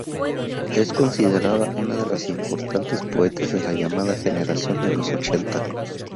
Es considerada una de las importantes poetas de la llamada Generación de los Ochenta.